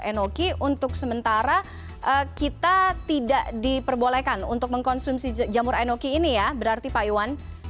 enoki untuk sementara kita tidak diperbolehkan untuk mengkonsumsi jamur enoki ini ya berarti pak iwan